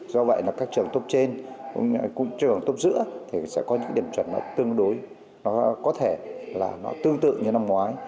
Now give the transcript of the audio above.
do vậy là các trường top trên trường top giữa thì sẽ có những điểm chuẩn tương đối có thể tương tự như năm ngoái